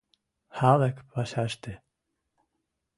Халык пӓшӓштӹ.